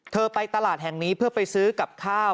ไปตลาดแห่งนี้เพื่อไปซื้อกับข้าว